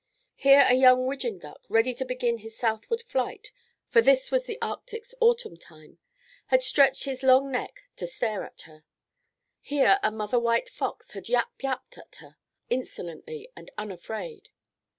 Here a young widgeon duck, ready to begin his southward flight—for this was the Arctic's autumn time—had stretched his long neck to stare at her. Here a mother white fox had yap yaped at her, insolently and unafraid.